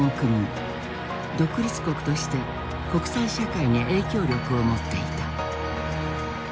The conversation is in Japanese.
独立国として国際社会に影響力を持っていた。